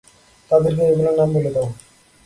তাদেরকে এগুলোর নাম বলে দাও।